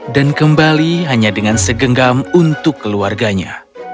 dan kembali hanya dengan segenggam untuk keluarganya